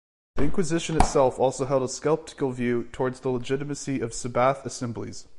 The Inquisition itself also held a skeptical view toward the legitimacy of Sabbath Assemblies.